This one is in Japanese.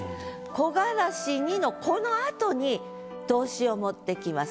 「木枯らしに」のこのあとに動詞を持ってきます。